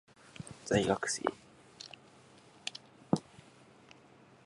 在学生